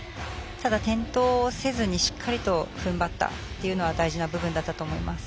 転倒せずにしっかり、ふんばったというのは大事な部分だと思います。